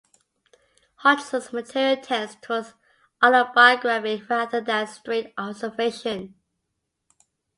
Hodgson's material tends towards autobiography rather than straight observation.